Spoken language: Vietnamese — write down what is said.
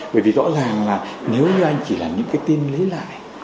bởi vì rõ ràng là nếu như anh chỉ là những cái tin lấy lại